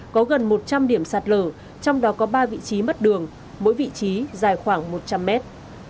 có gần một trăm linh điểm sạt lở trong đó có ba vị trí mất đường mỗi vị trí dài khoảng một trăm linh mét